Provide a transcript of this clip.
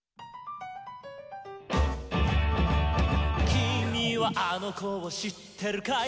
「きみはあのこをしってるかい？」